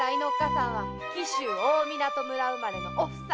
さんは紀州大湊村生まれの「おふさ」。